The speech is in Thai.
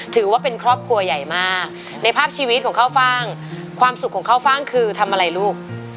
ถือว่าเป็นครอบครัวใหญ่มากในภาพชีวิตของข้าวฟ่างความสุขของข้าวฟ่างคือทำอะไรลูก